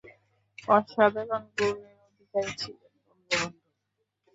অসাধারণ গুণের অধিকারী ছিলেন বঙ্গবন্ধু।